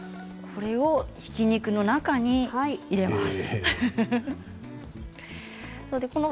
これをひき肉の中に入れます。